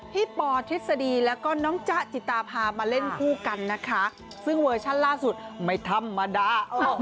ปอทฤษฎีแล้วก็น้องจ๊ะจิตาพามาเล่นคู่กันนะคะซึ่งเวอร์ชั่นล่าสุดไม่ธรรมดา